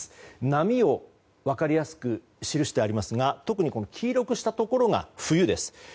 波を分かりやすく記してありますが特に黄色くしたところが冬です。